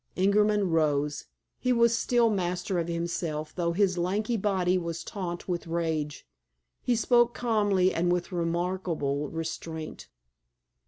Ingerman rose. He was still master of himself, though his lanky body was taut with rage. He spoke calmly and with remarkable restraint.